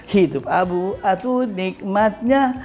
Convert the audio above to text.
hidup abu atu nikmatnya